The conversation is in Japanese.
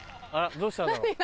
どうしたんだろう？